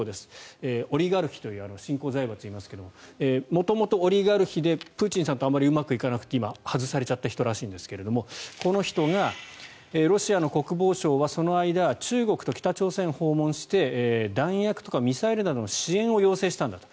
オリガルヒという新興財閥がいますが元々、オリガルヒでプーチンさんとあまりうまくいかなくて今、外されちゃった人らしいんですがこの人がロシアの国防相はその間中国と北朝鮮を訪問して弾薬とかミサイルなどの支援を要請したんだと。